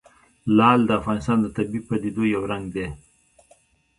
لعل د افغانستان د طبیعي پدیدو یو رنګ دی.